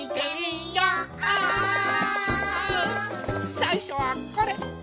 さいしょはこれ！